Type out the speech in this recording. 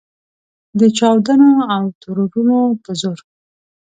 د چاودنو او ترورونو په زور.